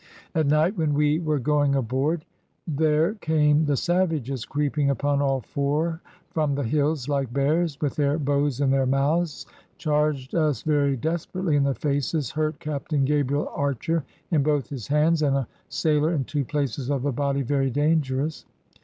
At night, when wee were going aboard, there came the Savages creeping upon all f oure from the Hills like Beares, with their Bowes in their mouths, charged us very desperately in the faces, hurt Captaine Gabriel Archer in both his hands, and a sayler in two places of the body very dangerous.